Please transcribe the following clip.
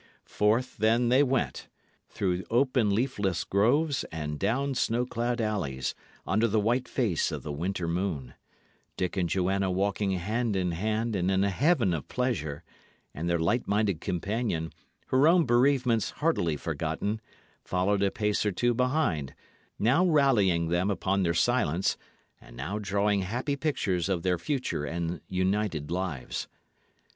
Forth, then, they went, through open leafless groves and down snow clad alleys, under the white face of the winter moon; Dick and Joanna walking hand in hand and in a heaven of pleasure; and their light minded companion, her own bereavements heartily forgotten, followed a pace or two behind, now rallying them upon their silence, and now drawing happy pictures of their future and united lives.